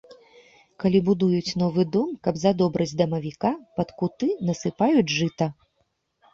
Калі будуюць новы дом, каб задобрыць дамавіка, пад куты насыпаюць жыта.